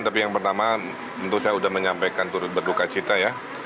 tapi yang pertama tentu saya sudah menyampaikan turut berduka cita ya